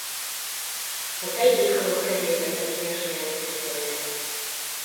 Az egyik halott kezébe teszi a saját pisztolyát.